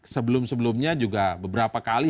sebelum sebelumnya juga beberapa kali